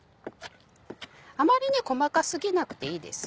あまり細か過ぎなくていいです。